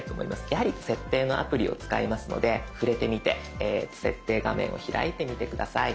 やはり設定のアプリを使いますので触れてみて設定画面を開いてみて下さい。